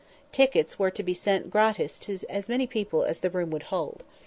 Tickets were to be sent gratis to as many as the room would hold.